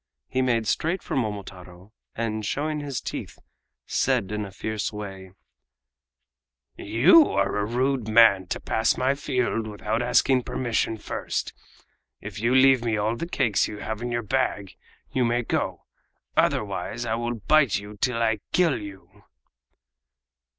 He made straight for Momotaro, and showing his teeth, said in a fierce way: "You are a rude man to pass my field without asking permission first. If you leave me all the cakes you have in your bag you may go; otherwise I will bite you till I kill you!"